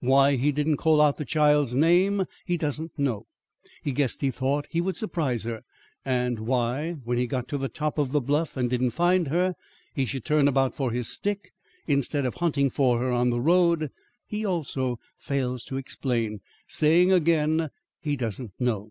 Why he didn't call out the child's name he doesn't know; he guessed he thought he would surprise her; and why, when he got to the top of the bluff and didn't find her, he should turn about for his stick instead of hunting for her on the road, he also fails to explain, saying again, he doesn't know.